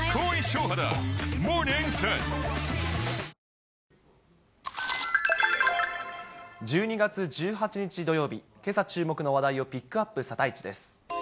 ー１２月１８日土曜日、けさ注目の話題をピックアップ、サタイチです。